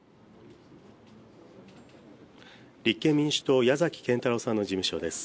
立憲民主党、矢崎堅太郎さんの事務所です。